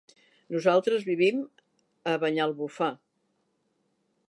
Nosaltres vivim a Banyalbufar.